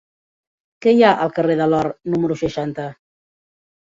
Què hi ha al carrer de l'Or número seixanta?